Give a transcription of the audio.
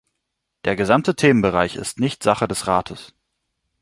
Der gesamte Themenbereich ist nicht Sache des Rates.